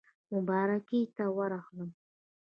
مبارکۍ ته یې ورغلم.